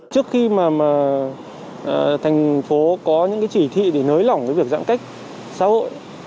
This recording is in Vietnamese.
trước khi mà thành phố có những chỉ thị để nới lỏng việc giãn cách xã hội